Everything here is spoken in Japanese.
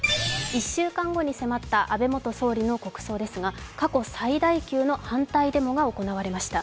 １週間後に迫った安倍元総理の国葬ですが、過去最大級の反対デモが行われました。